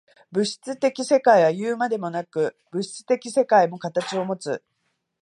生物的世界はいうまでもなく、物質的世界も形をもつ。